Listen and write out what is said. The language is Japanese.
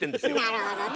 なるほどね。